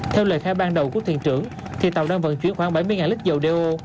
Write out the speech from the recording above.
theo lời khai ban đầu của thuyền trưởng tàu đang vận chuyển khoảng bảy mươi lít dầu đeo